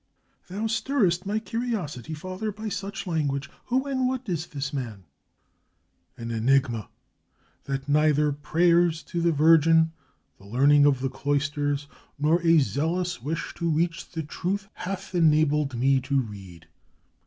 "Thou stirrest my curiosity, father, by such language. Who and what is the man?" "An enigma, that neither prayers to the Virgin, the learning of the cloisters, nor a zealous wish to reach the truth, hath enabled me to read.